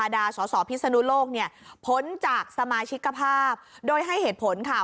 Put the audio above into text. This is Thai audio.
โดยให้เหตุผลค่ะ